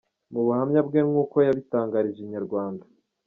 Mu buhamya bwe nk’uko yabitangarije Inyarwanda.